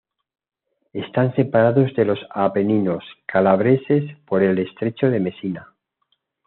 Están separados de los Apeninos calabreses por el estrecho de Mesina.